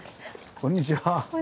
こんにちは。